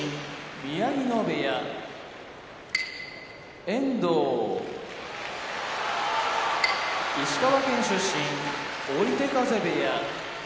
宮城野部屋遠藤石川県出身追手風部屋